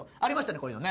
こういうのね